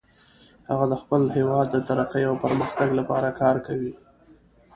هغه د خپل هیواد د ترقۍ او پرمختګ لپاره کار کوي